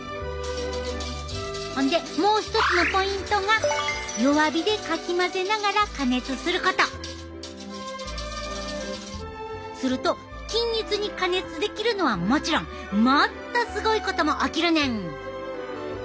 ほんでもう一つのポイントがすると均一に加熱できるのはもちろんもっとすごいことも起きるねん！